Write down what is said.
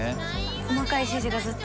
細かい指示がずっと。